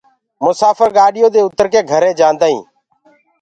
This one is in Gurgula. مساڦر گآڏيو دي اُتر ڪي گھرينٚ جآنٚدآئينٚ